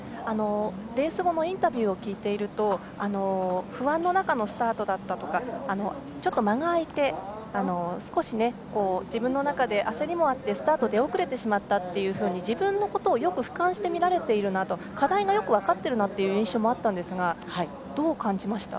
レース後のインタビューを聞いていると不安の中のスタートだったとかちょっと間が空いて少し、自分の中で焦りもあってスタート出遅れてしまったと自分のことをよくふかんして見れていて課題もよく分かっているなと思ったんですがどう感じました？